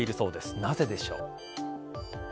なぜでしょう。